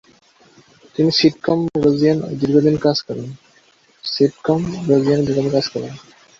তিনি সিটকম রোজিঅ্যান-এ দীর্ঘদিন কাজ করেন।